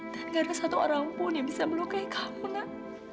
dan gak ada satu orang pun yang bisa melukai kamu nak